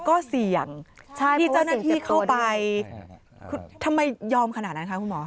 ก็เสี่ยงที่เจ้าหน้าที่เข้าไปทำไมยอมขนาดนั้นคะคุณหมอ